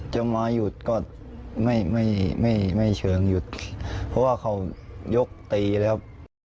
จังหวะหยุดก็ไม่ไม่เชิงหยุดเพราะว่าเขายกตีแล้ว